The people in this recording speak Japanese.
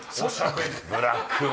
ブラックの。